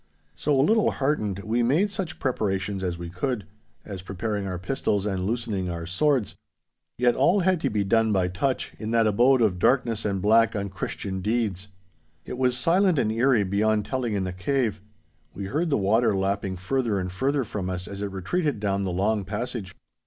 So a little heartened, we made such preparations as we could—as preparing our pistols and loosening our swords. Yet all had to be done by touch, in that abode of darkness and black, un Christian deeds. It was silent and eerie beyond telling in the cave. We heard the water lapping further and further from us as it retreated down the long passage.